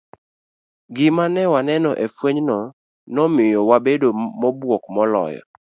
Gima ne waneno e fwenyno nomiyo wabedo mobuok moloyo.